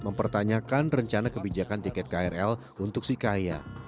mempertanyakan rencana kebijakan tiket krl untuk si kaya